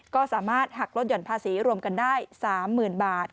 ก็สามารถหักลดหย่อนภาษีรวมกันได้๓๐๐๐บาท